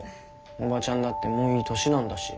オバチャンだってもういい年なんだし。